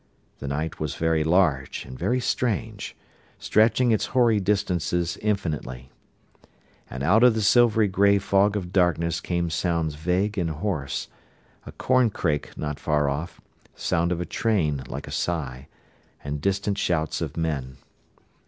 The night was very large, and very strange, stretching its hoary distances infinitely. And out of the silver grey fog of darkness came sounds vague and hoarse: a corncrake not far off, sound of a train like a sigh, and distant shouts of men.